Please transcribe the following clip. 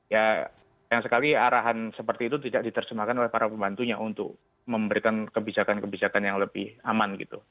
ya sayang sekali arahan seperti itu tidak diterjemahkan oleh para pembantunya untuk memberikan kebijakan kebijakan yang lebih aman gitu